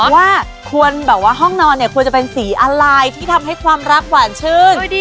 ว่าควรแบบว่าห้องนอนเนี่ยควรจะเป็นสีอะไรที่ทำให้ความรักหวานชื่น